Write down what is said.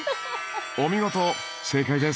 お見事正解です。